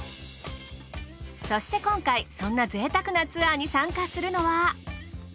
そして今回そんな贅沢なツアーに参加するのは。